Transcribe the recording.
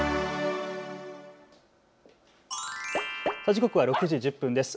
時刻は６時１０分です。